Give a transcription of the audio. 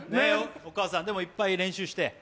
お母さん、でもいっぱい練習して？